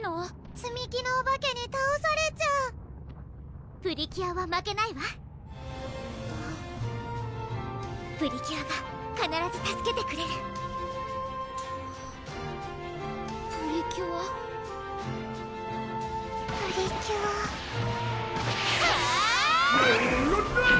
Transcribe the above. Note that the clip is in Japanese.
つみ木のお化けにたおされちゃうプリキュアは負けないわプリキュアがかならず助けてくれるプリキュアプリキュアハァーッ！